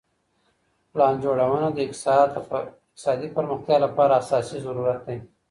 پلان جوړونه د اقتصادي پرمختيا لپاره اساسي ضرورت دی.